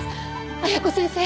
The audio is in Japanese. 綾子先生